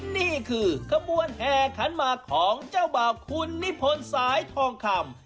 นี่คือขบวนแห่ขันหมากของเจ้าบ่าวคุณนิพนธ์สายทองคำ